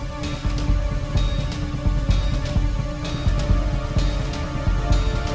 kamu pasti salah orang ya